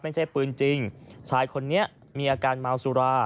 ไม่ใช่ปืนจริงชายคนนี้มีอาการเมาสุรา